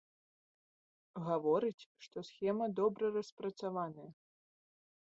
Гаворыць, што схема добра распрацаваная.